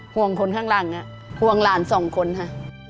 ห่วงคนข้างหลังห่วงหลานสองคนค่ะ